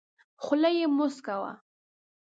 خوله یې موسکه وه .